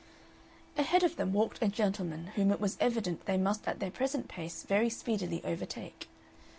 Ahead of them walked a gentleman whom it was evident they must at their present pace very speedily overtake.